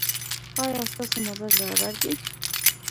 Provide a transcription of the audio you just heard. ایا ستاسو مزاج برابر دی؟